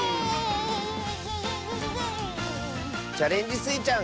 「チャレンジスイちゃん」